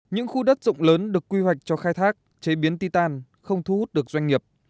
những khu đất rộng lớn được quy hoạch cho khai thác chế biến ti tàn không thu hút được doanh nghiệp